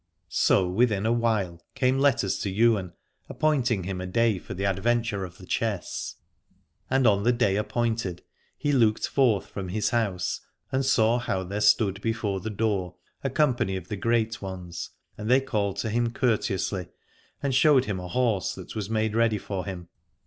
So within a while came letters to Ywain appointing him a day for the adventure of the Chess. And on the day appointed he looked forth from his house and saw how there stood before the door a company of great ones, and they called to him courteously and showed him a horse that was made ready for him.